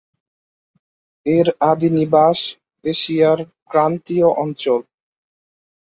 এর আদিনিবাস এশিয়ার ক্রান্তীয় অঞ্চল।